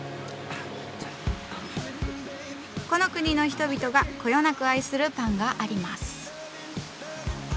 この国の人々がこよなく愛するパンがあります。